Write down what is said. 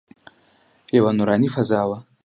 یوه نوراني فضا وه.